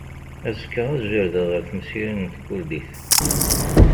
Azekka ad jerrdeɣ ar temsirin n tkurdit.